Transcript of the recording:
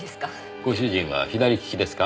ご主人は左利きですか？